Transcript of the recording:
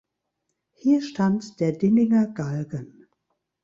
Hier stand der Dillinger Galgen.